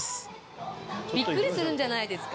ビックリするんじゃないですか？